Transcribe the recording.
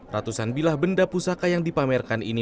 ratusan bilah benda pusaka yang dipamerkan ini